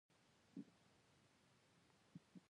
د زړه عملونه دي .